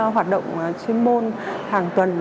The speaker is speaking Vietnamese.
hoạt động chuyên môn hàng tuần